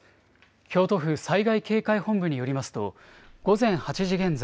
京都府災害警戒本部によりますと、午前８時現在、